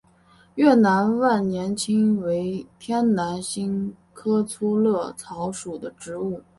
越南万年青为天南星科粗肋草属的植物。